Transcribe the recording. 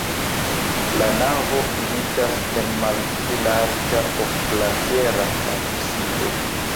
La navo finiĝas en malpli larĝa oklatera absido.